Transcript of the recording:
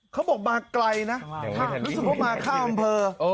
เขาบอกมาไกลนะรู้สึกว่ามาข้ามอำเภอ